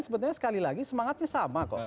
sebenarnya sekali lagi semangatnya sama kok